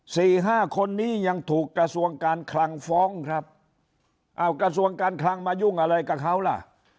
สี่ห้าคนนี้ยังถูกกระทรวงการคลังฟ้องครับอ้าวกระทรวงการคลังมายุ่งอะไรกับเขาล่ะ